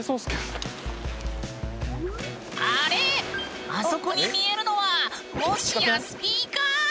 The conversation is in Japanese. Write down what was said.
あれ⁉あそこに見えるのはもしやスピーカー？